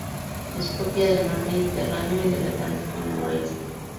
Es propia del mar Mediterráneo y del Atlántico noroeste.